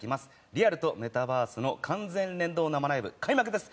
リアルとメタバースの完全連動生ライブ開幕です。